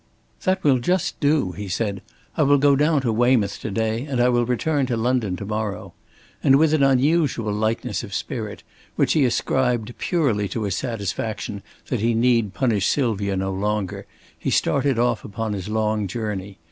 "That will just do," he said. "I will go down to Weymouth to day, and I will return to London to morrow." And with an unusual lightness of spirit, which he ascribed purely to his satisfaction that he need punish Sylvia no longer, he started off upon his long journey.